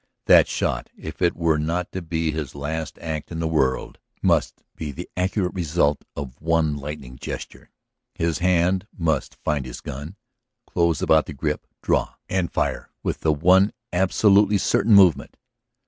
That shot, if it were not to be his last act in this world, must be the accurate result of one lightning gesture; his hand must find his gun, close about the grip, draw, and fire with the one absolutely certain movement.